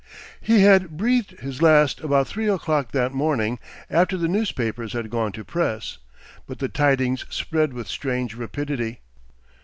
He had breathed his last about three o'clock that morning, after the newspapers had gone to press; but the tidings spread with strange rapidity.